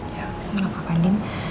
ya ya gapapa cak andien